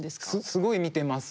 すごい見てます。